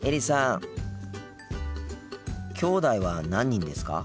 きょうだいは何人ですか？